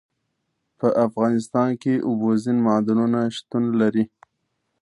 په افغانستان کې اوبزین معدنونه شتون لري.